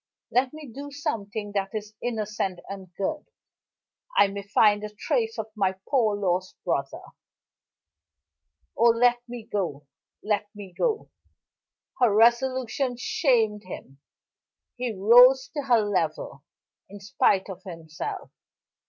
Let me do something that is innocent and good I may find a trace of my poor lost brother. Oh, let me go! Let me go!" Her resolution shamed him. He rose to her level, in spite of himself.